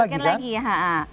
masukin lagi ya